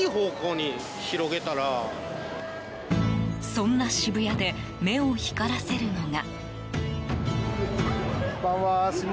そんな渋谷で目を光らせるのが。